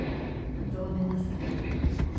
本当ごめんなさい。